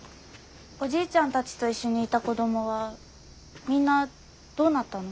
おじいちゃんたちと一緒にいた子供はみんなどうなったの？